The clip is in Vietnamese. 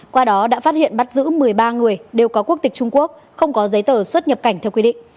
qua đó đã phát hiện bắt giữ một mươi ba người đều có quốc tịch trung quốc không có giấy tờ xuất nhập cảnh theo quy định